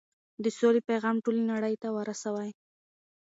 د سولې پيغام ټولې نړۍ ته ورسوئ.